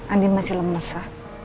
andi masih lemes sa